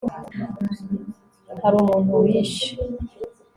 hari umuntu wishe